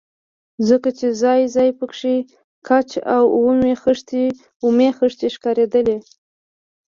ځکه چې ځاى ځاى پکښې ګچ او اومې خښتې ښکارېدلې.